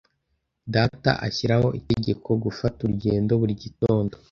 Data ashyiraho itegeko gufata urugendo buri gitondo.